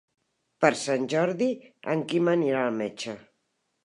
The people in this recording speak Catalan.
Per Sant Jordi en Quim anirà al metge.